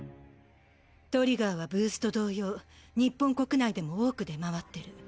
トリガーはブースト同様日本国内でも多く出回ってる。